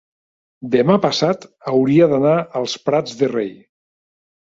demà passat hauria d'anar als Prats de Rei.